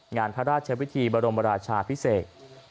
งานพระราชเชพิทธิบารมราชาพิเศษ